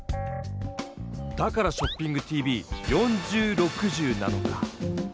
だから「ショッピングＴＶ４０／６０」なのか！